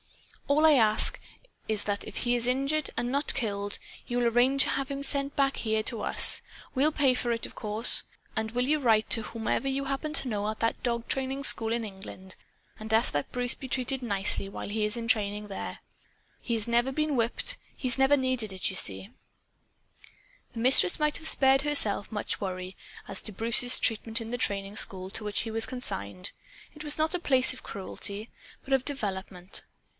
All I ask is that if he is injured and not killed, you'll arrange to have him sent back here to us. We'll pay for it, of course. And will you write to whomever you happen to know, at that dog training school in England, and ask that Bruce be treated nicely while he is training there? He's never been whipped. He's never needed it, you see." The Mistress might have spared herself much worry as to Bruce's treatment in the training school to which he was consigned. It was not a place of cruelty, but of development.